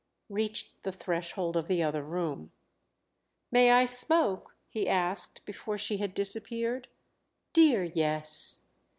reached the threshold of the other room. "May I smoke?" he asked before she had disappeared. "Dear, yes!"